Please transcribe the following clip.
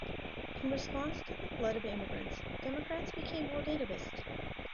In response to the flood of immigrants, Democrats became more nativist.